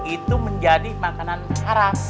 itu menjadi makanan haram